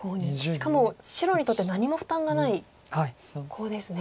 しかも白にとって何も負担がないコウですね。